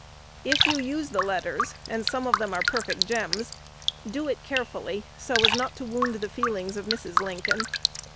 If you use the letters (and some of them are perfect gems) do it care fully, so as not to wound the feelings of Mrs. Lincoln.